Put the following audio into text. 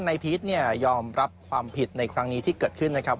พีชเนี่ยยอมรับความผิดในครั้งนี้ที่เกิดขึ้นนะครับ